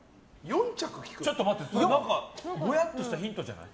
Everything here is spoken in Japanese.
ちょっと待ってぼやっとしたヒントじゃない？